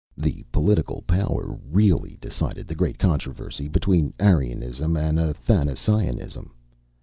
The political power really decided the great controversy between Arianism and Athanasianism.